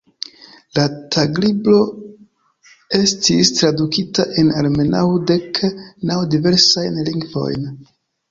La taglibro estis tradukita en almenaŭ dek naŭ diversajn lingvojn.